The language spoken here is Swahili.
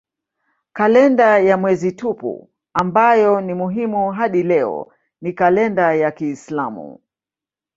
Kalenda ya mwezi tupu ambayo ni muhimu hadi leo ni kalenda ya kiislamu.